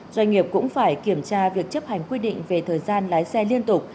doanh nghiệp cũng phải kiểm tra việc chấp hành quy định về thời gian lái xe liên tục